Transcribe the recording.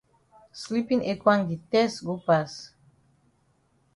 Sleepin ekwang di tess go pass.